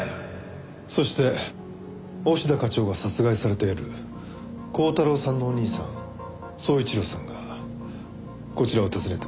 そして押田課長が殺害された夜光太郎さんのお兄さん宗一郎さんがこちらを訪ねてます。